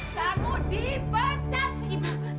kamu di pecat